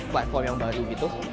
platform yang baru gitu